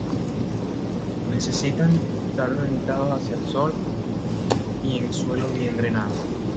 Necesitan estar orientados hacia el sol y en suelo bien drenado.